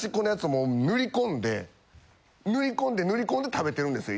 もう塗りこんで塗りこんで塗りこんで食べてるんですよ